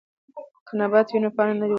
که نبات وي نو پاڼه نه ورکیږي.